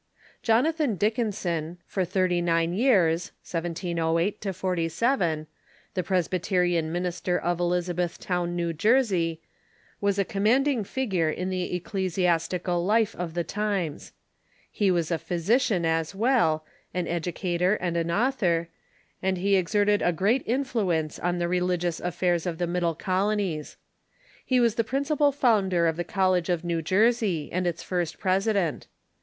Jonathan Dickinson, for thirty nine years (1708 47) the Pres byterian minister of Elizabethtown, New Jersey, was a com ^,. manding figure in the ecclesiastical life of the times. Dickinson tt i ••^^^, 1 He was a physician as well, an educator and an author, and he exerted a great influence on the religious affairs of the Middle Colonies. He was the principal founder of the Col lege of New Jersey, and its first president.